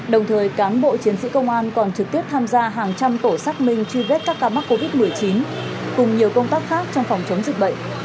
đồng thời cán bộ chiến sĩ công an còn trực tiếp tham gia hàng trăm tổ xác minh truy vết các ca mắc covid một mươi chín cùng nhiều công tác khác trong phòng chống dịch bệnh